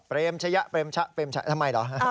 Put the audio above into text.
เปรมชะเปรมชะเปรมชัยทำไมเหรอ